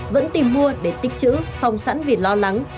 vẫn tìm mua để tích chữ phòng sẵn vì lo lắng